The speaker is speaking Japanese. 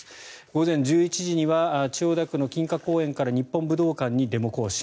午前１１時には千代田区の錦華公園から日本武道館にデモ行進。